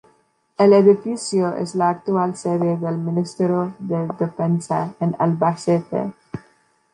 El edificio es la actual sede del Ministerio de Defensa en Albacete.